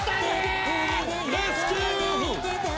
レスキュー！